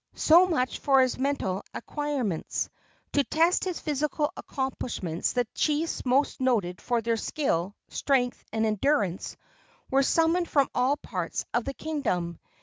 So much for his mental acquirements. To test his physical accomplishments the chiefs most noted for their skill, strength and endurance were summoned from all parts of the kingdom.